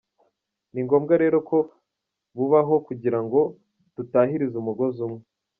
Ni ngombwa rero ko bubaho kugirango dutahirize umugozi umwe.”